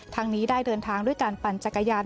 ทางนี้ได้เดินทางด้วยการปั่นจักรยาน